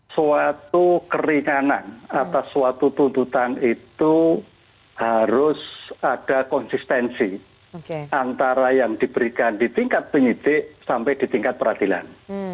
suatu keringanan atas suatu tuntutan itu harus ada konsistensi antara yang diberikan di tingkat penyidik sampai di tingkat peradilan